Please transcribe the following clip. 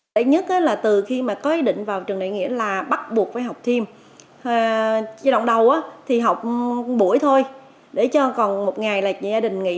đấy nhất là từ khi mà có ý định vào trường này nghĩa là bắt buộc phải học thêm chỉ động đầu thì học buổi thôi để cho còn một ngày là chị gia đình nghỉ